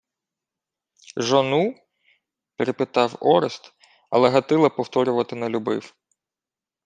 — Жону? — перепитав Орест, але Гатило повторювати не любив.